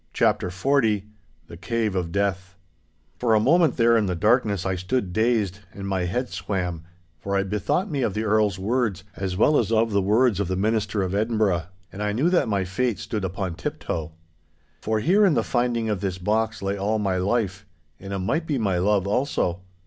*CHAPTER XL* *THE CAVE OF DEATH* For a moment there in the darkness I stood dazed, and my head swam, for I bethought me of the Earl's words, as well as of the words of the Minister of Edinburgh, and I knew that my fate stood upon tip toe. For here in the finding of this box lay all my life, and it might be my love also.